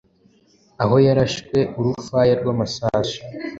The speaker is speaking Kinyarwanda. aho yarashwe urufaya rw’amasasu.